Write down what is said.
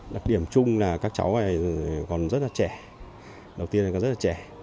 đặc điểm chung là các cháu này còn rất là trẻ đầu tiên là rất là trẻ